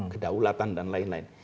kedaulatan dan lain lain